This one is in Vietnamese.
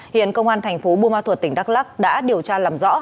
hiện công an thành phố bùa ma thuật tỉnh đắk lắc đã điều tra làm rõ